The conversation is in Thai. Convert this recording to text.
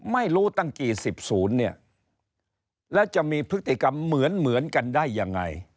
ไม่รู้ตั้งกี่สิบศูนย์เนี่ยแล้วจะมีพฤติกรรมเหมือนกันได้ยังไง